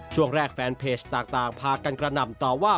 ช่วงแรกแฟนเพจต่างพากันกระหน่ำต่อว่า